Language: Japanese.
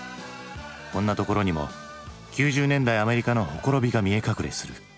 こんなところにも９０年代アメリカの綻びが見え隠れする。